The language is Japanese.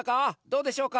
どうでしょうか？